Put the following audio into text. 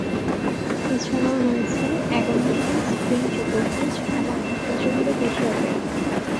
এছাড়াও রয়েছে এগারো নম্বর স্প্রিং চতুর্ভুজ এবং এক ডজনেরও বেশি অপেরা।